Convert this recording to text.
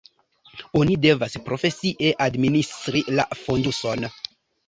Oni devas profesie administri la fonduson.